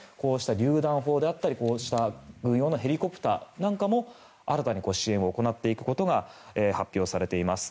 りゅう弾砲であったり軍用のヘリコプターなんかも新たに支援を行うことが発表されています。